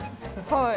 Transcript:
はい。